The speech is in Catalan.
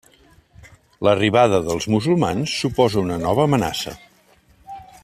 L'arribada dels musulmans suposa una nova amenaça.